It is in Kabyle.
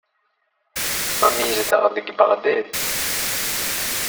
Sami yezdeɣ deg Beɣdad.